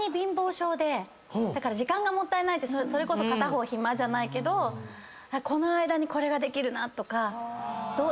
時間がもったいないってそれこそ片方暇じゃないけどこの間にこれができるなとか。